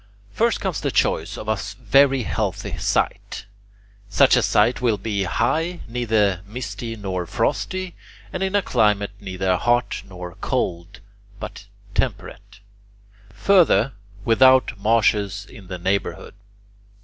First comes the choice of a very healthy site. Such a site will be high, neither misty nor frosty, and in a climate neither hot nor cold, but temperate; further, without marshes in the neighbourhood.